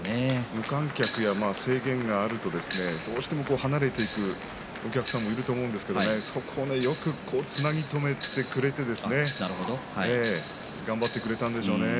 無観客や制限があるとどうしても離れていくお客さんがいると思うんですけれども、そこでよくつなぎ止めてくれて頑張ってくれたんでしょうね。